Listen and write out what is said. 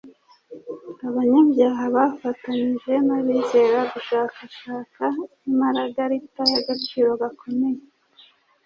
Abanyabyaha bafatanyije n’abizera gushakashaka imaragarita y’agaciro gakomeye.